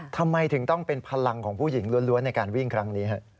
ทำไมถึงต้องเป็นพลังของผู้หญิงล้วนในการวิ่งครั้งนี้